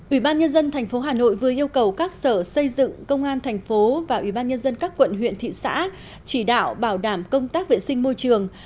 ủy ban nhân dân tp hà nội vừa yêu cầu các sở xây dựng công an thành phố và ủy ban nhân dân các quận huyện thị xã chỉ đạo bảo đảm công tác vệ sinh môi trường